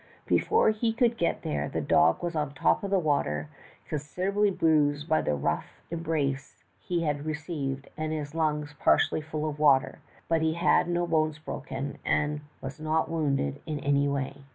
Before he could get there, the dog was on the top of the water, con siderably bruised by the rough embrace he had received, and his lungs partly full of water, but he had no bones broken, and was not wounded in any way.